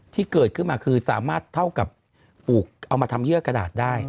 ที่เกิดขึ้นมาคือสามารถเท่ากับปลูกเอามาทำเยื่อกระดาษได้